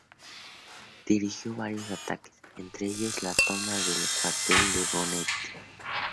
Dirigió varios ataques, entre ellos la toma del cuartel de Gonnet.